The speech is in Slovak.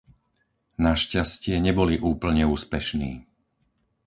Našťastie neboli úplne úspešní.